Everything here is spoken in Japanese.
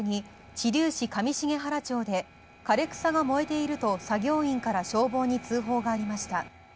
知立市上重原町で枯れ草が燃えていると作業員から消防に通報がありました。